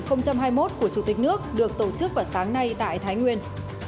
năm hai nghìn hai mươi một của chủ tịch nước được tổ chức vào sáng nay tại thái nguyên